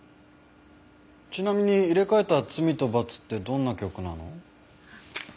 ちなみに入れ替えた『罪と罰』ってどんな曲なの？